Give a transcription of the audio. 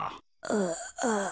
ああ。